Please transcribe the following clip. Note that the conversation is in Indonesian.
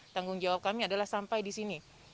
tanggung jawab kami adalah sampai di sini